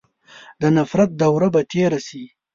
د نفرت دوره به تېره سي.